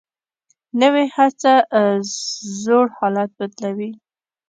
نوې هڅه زوړ حالت بدلوي